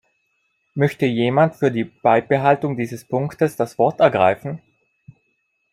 Möchte jemand für die Beibehaltung dieses Punktes das Wort ergreifen?